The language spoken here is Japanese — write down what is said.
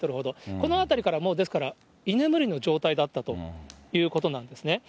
この辺りから、もう、ですから居眠りの状態だったということなんですね。